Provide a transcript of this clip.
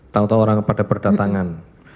tahu tahu orang pada berdatangan